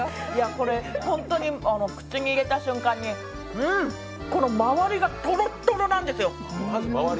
これ本当に口に入れた瞬間周りがとろとろなんですよ。